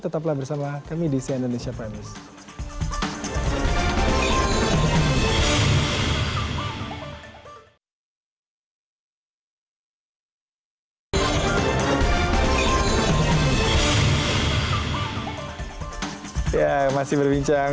tetaplah bersama kami di cnn indonesia prime news